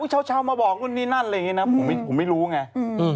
เช้ามาบอกนู่นนี่นั่นอะไรอย่างนี้นะผมไม่รู้ไง